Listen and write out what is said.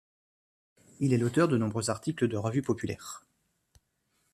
Il est l'auteur de nombreux articles de revues populaires.